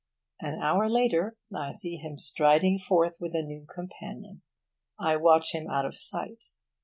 An hour later, I see him striding forth, with a new companion. I watch him out of sight.